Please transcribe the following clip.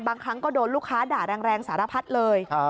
บางครั้งก็โดนลูกค้าด่าแรงสารพัดเลย